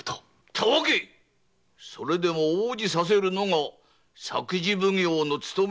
たわけ‼それでも応じさせるのが作事奉行の勤めじゃ。